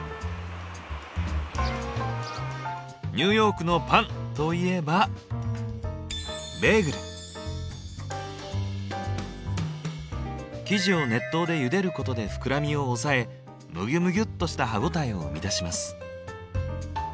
「ニューヨークのパン！」といえば生地を熱湯でゆでることで膨らみを抑えムギュムギュっとした歯応えを生み出します。